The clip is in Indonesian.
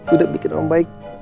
udah bikin om baik